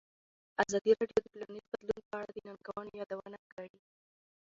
ازادي راډیو د ټولنیز بدلون په اړه د ننګونو یادونه کړې.